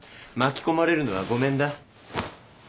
巻き込まれるのはごめんだ。